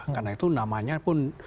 karena itu namanya pun